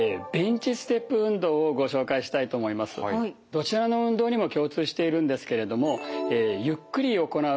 どちらの運動にも共通しているんですけれどもゆっくり行うことがポイントです。